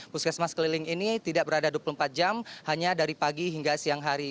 puskesmas keliling ini tidak berada dua puluh empat jam hanya dari pagi hingga siang hari